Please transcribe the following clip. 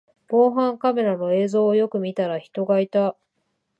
防犯カメラの映像をよく見たら人がいた